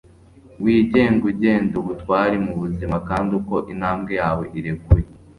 wigenga ugenda ubutwari mubuzima ... kandi uko intambwe yawe irekuye